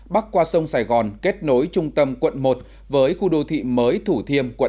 bắc qua sông sài gòn kết nối trung tâm quận một với khu đô thị mới thủ thiêm quận một